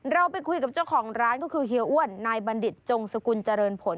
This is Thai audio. เราไปคุยกับเจ้าของร้านก็คือเฮียอ้วนนายบัณฑิตจงสกุลเจริญผล